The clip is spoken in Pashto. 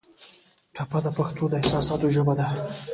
ټپه د پښتو د احساساتو ژبه ده.